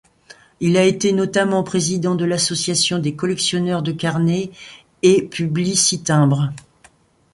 Il a été notamment président de l'Association des collectionneurs de carnets et publicitimbres.